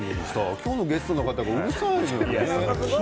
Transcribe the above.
今日のゲストの方がうるさいのよね。